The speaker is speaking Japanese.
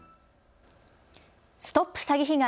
ＳＴＯＰ詐欺被害！